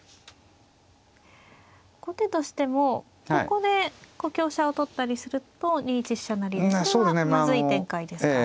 後手としてもここで香車を取ったりすると２一飛車成それはまずい展開ですか。